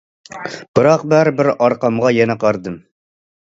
بىراق بەرىبىر ئارقامغا يەنە قارىدىم.